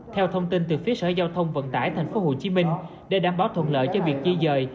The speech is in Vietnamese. theo thông tin từ phía sở giao thông vận tải tp hcm để đảm bảo thuận lợi cho việc di dời